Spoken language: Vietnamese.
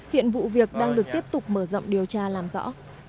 hiện vụ việc đang được tiếp tục mở rộng điều tra làm rõ